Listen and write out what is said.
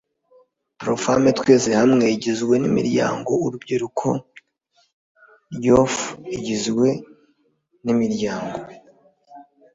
pro femmes twese hamwe igizwe n imiryango urubyiruko ryof igizwe n imiryango